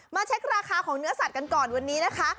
เช็คราคาของเนื้อสัตว์กันก่อนวันนี้นะคะ